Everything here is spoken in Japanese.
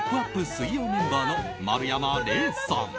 水曜メンバーの丸山礼さん。